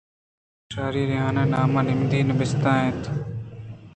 شاری ریھان ءِ نام ءَ نمدی یے نبیسّگ ءَ اِنت۔